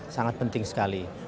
sangat penting sekali